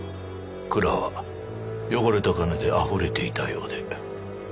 蔵は汚れた金であふれていたようで。